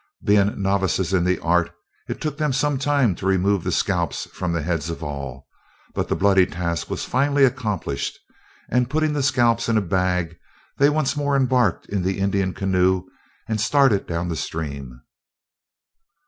Being novices in the art, it took them some time to remove the scalps from the heads of all; but the bloody task was finally accomplished and putting the scalps in a bag, they once more embarked in the Indian canoe and started down the stream.